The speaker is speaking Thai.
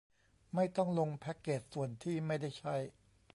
ไม่ต้องลงแพคเกจส่วนที่ไม่ได้ใช้